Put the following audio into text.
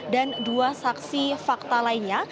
dan dua saksi fakta lainnya